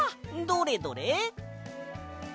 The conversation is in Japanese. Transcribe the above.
どれどれ？